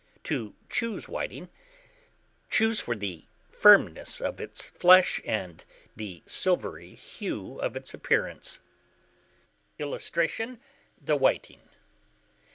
To CHOOSE WHITING. Choose for the firmness of its flesh and the silvery hue of its appearance. [Illustration: THE WHITING.